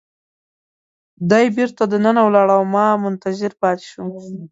دی بیرته دننه ولاړ او ما منتظر پاتې شوم.